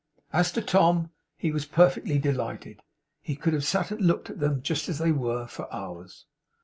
As to Tom, he was perfectly delighted. He could have sat and looked at them, just as they were, for hours.